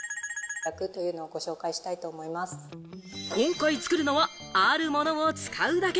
今回作るのはあるものを使うだけ。